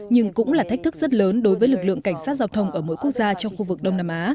nhưng cũng là thách thức rất lớn đối với lực lượng cảnh sát giao thông ở mỗi quốc gia trong khu vực đông nam á